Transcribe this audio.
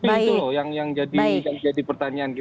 itu loh yang jadi pertanyaan kita